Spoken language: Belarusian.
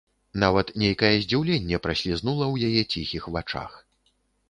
Нават нейкае здзіўленне праслізнула ў яе ціхіх вачах.